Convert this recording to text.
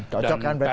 tocok kan berarti